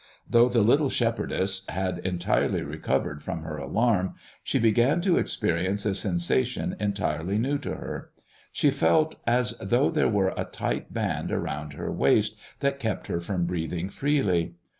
Though the little shepherdess had entirely recovered from her alarm, she began to experience a sensation entirely new to her. She felt as though there were a tight band around her waist that kept her from breathing freely.